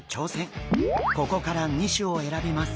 ここから２種を選びます。